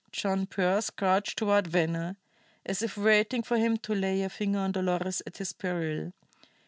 John Pearse crouched toward Venner, as if waiting for him to lay a finger on Dolores at his peril.